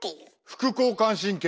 副交感神経！